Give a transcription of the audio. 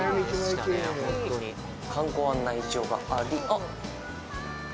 観光案内所がありあっ